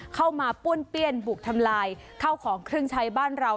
เข้ามาปุ้นเปลี่ยนบุกทำลายเข้าของเครื่องใช้บ้านเรา